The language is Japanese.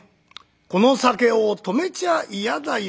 『この酒を止めちゃ嫌だよ